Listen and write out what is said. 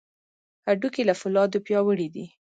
هډوکي له فولادو پیاوړي دي.